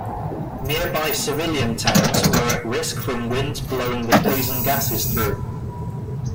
Nearby civilian towns were at risk from winds blowing the poison gases through.